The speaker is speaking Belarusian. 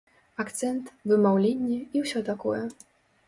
Акцэнт, вымаўленне і ўсё такое.